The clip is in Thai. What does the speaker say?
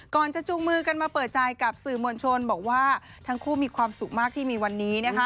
จะจูงมือกันมาเปิดใจกับสื่อมวลชนบอกว่าทั้งคู่มีความสุขมากที่มีวันนี้